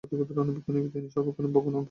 তিনি সংক্ষেপে বাবু নামে অধিক পরিচিত।